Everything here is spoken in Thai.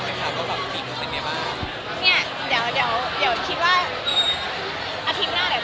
เดี๋ยวคิดว่าอาทิตย์หน้านะไปทำไปให้